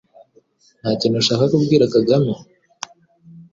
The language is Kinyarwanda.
Nta kintu ushaka kubwira Kagame